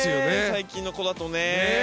最近の子だとね。